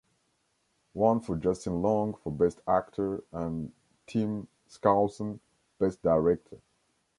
One for Justin Long for Best Actor and Tim Skousen Best Director.